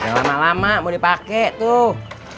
jangan lama lama mau dipake tuh